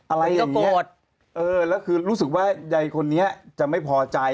อะไรอย่างเงี้ยเออแล้วคือรู้สึกว่าใยคนนี้จะไม่พอใจ